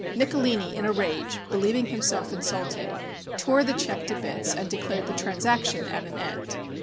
Nicolini, in a rage, believing himself insulted, tore the check to bits and declared the transaction at an end.